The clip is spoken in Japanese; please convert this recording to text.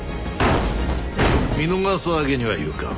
見逃すわけにはいかん。